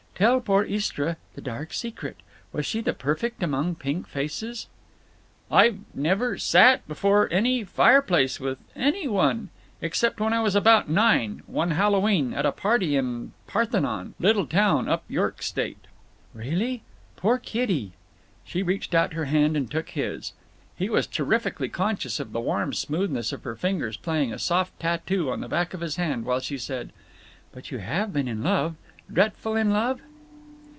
Tell poor Istra the dark secret. Was she the perfect among pink faces?" "I've—never—sat—before—any—fireplace—with —any—one! Except when I was about nine—one Hallowe'en—at a party in Parthenon—little town up York State." "Really? Poor kiddy!" She reached out her hand and took his. He was terrifically conscious of the warm smoothness of her fingers playing a soft tattoo on the back of his hand, while she said: "But you have been in love? Drefful in love?"